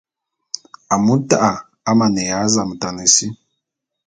Amu ta'a amaneya zametane si.